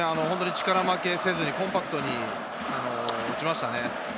力を使わずにコンパクトに打ちましたね。